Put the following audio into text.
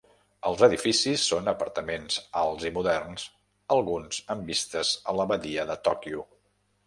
Els edificis són apartaments alts i moderns, alguns amb vistes a la Badia de Tòquio.